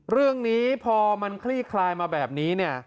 เรื่องนี้พอมันคลี่คลายมาแบบนี้เนี่ย